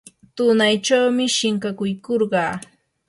tunaychawmi shinkakuykurqaa.